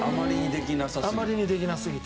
あまりにできなさすぎて？